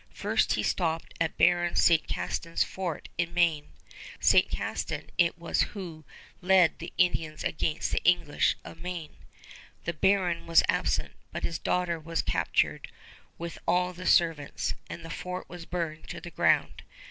First he stopped at Baron St. Castin's fort in Maine. St. Castin it was who led the Indians against the English of Maine. The baron was absent, but his daughter was captured, with all the servants, and the fort was burned to the ground.